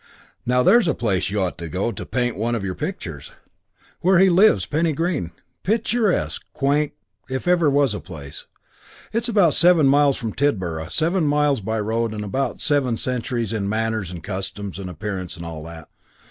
Now there's a place you ought to go to paint one of your pictures where he lives Penny Green. Picturesque, quaint if ever a place was. It's about seven miles from Tidborough; seven miles by road and about seven centuries in manners and customs and appearance and all that.